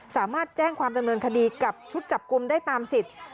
สามารถแจ้งความดำเนินคดีกับชุดจับกลุ่มได้ตามสิทธิ์